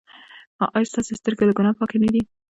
ایا ستاسو سترګې له ګناه پاکې نه دي؟